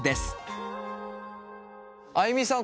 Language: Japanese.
あいみさん